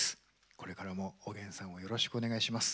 これからもおげんさんをよろしくお願いします。